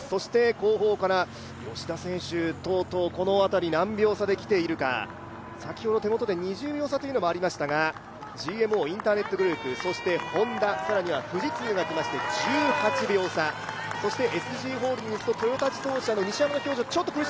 後方から吉田選手等々、この辺り何秒差で来ているか、先ほど手元で２０秒差というのもありましたが、ＧＭＯインターネットグループ、Ｈｏｎｄａ、更には富士通が来まして１８秒差ＳＧホールディングスとトヨタ自動車の西山の表情苦し